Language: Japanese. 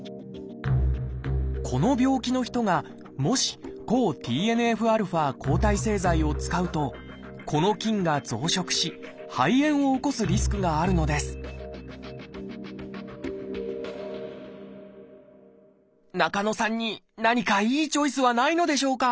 この病気の人がもし抗ＴＮＦ−α抗体製剤を使うとこの菌が増殖し肺炎を起こすリスクがあるのです中野さんに何かいいチョイスはないのでしょうか？